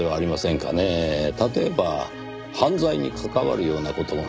例えば犯罪に関わるような事が。